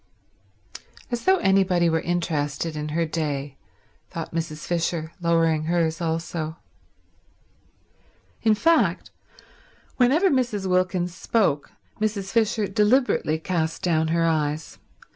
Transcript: "As though anybody were interested in her day," thought Mrs. Fisher, lowering hers also. In fact, whenever Mrs. Wilkins spoke Mrs. Fisher deliberately cast down her eyes.